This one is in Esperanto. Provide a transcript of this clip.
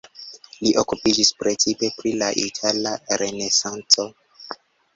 Li okupiĝis precipe pri la itala renesanco.